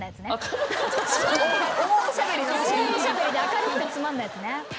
大おしゃべりで明るくてつまんないやつね。